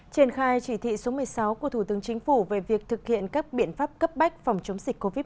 trên khai chỉ thị số một mươi sáu của thủ tướng chính phủ về việc thực hiện các biện pháp cấp bách phòng chống dịch covid một mươi chín